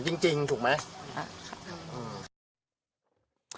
พระอาจารย์ออสบอกว่าอาการของคุณแป๋วผู้เสียหายคนนี้อาจจะเกิดจากหลายสิ่งประกอบกัน